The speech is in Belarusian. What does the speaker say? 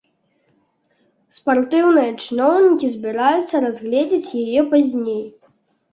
Спартыўныя чыноўнікі збіраюцца разгледзець яе пазней.